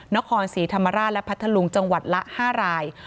นครศรีธรรมราชและพัทธลุงจังหวัดละ๕ราย